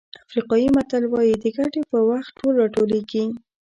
افریقایي متل وایي د ګټې په وخت ټول راټولېږي.